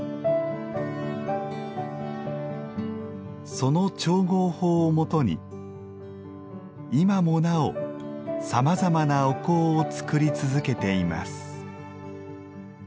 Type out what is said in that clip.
その調合法を元に今もなおさまざまなお香を作り続けています。